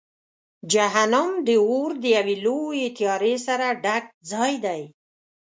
جهنم د اور د یوې لویې تیارې سره ډک ځای دی.